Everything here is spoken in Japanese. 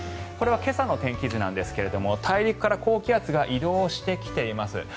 これは今朝の天気図なんですが大陸から高気圧が移動してきています。